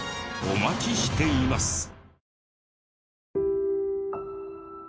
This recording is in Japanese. お待ちしています。